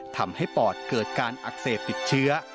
ปอดเกิดการอักเสบติดเชื้อ